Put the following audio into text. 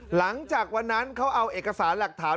หลังจากวันนั้นเขาเอาเอกสารหลักฐาน